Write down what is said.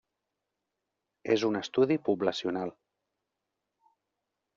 És un estudi poblacional.